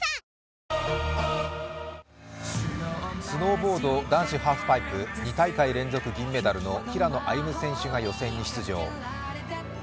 スノーボード男子ハーフパイプ２大会連続銀メダルの平野歩夢選手が予選に出場。